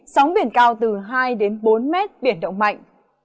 sóng biển cao từ hai đến bốn mét biển động mạnh